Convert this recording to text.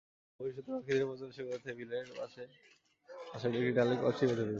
ভবিষ্যতে পাখিদের প্রজনন সুবিধার্থে বিলের পাশে গাছের ডালে মাটির কলসি বেঁধে দেব।